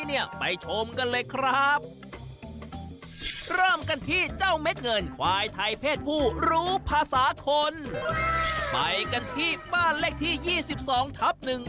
เนี่ยไปชมกันเลยครับในการที่เจ้าเหม็งเงินไขว้ไทยเพศผู้รู้ภาษาคนไปกันตี้ป้าลเล็กที่๒๒ทับ๑